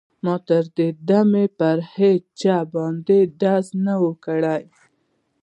ما تر دې دمه په هېچا باندې ډز نه و کړی